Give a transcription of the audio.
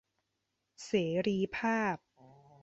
เสรีภาพ